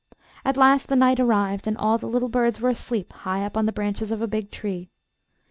At last the night arrived, and all the little birds were asleep high up on the branches of a big tree.